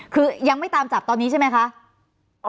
คือยังไม่ตามจับตอนนี้ใช่ไหมคะ